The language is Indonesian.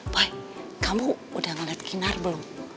pak kamu udah ngeliat kinar belum